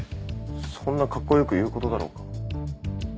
そんなカッコ良く言うことだろうか。